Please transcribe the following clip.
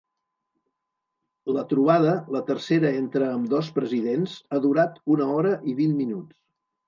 La trobada, la tercera entre ambdós presidents, ha durat una hora i vint minuts.